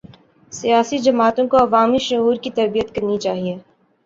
سیاسی جماعتوں کو عوامی شعور کی تربیت کرنی چاہیے۔